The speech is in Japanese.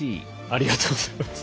ありがとうございます。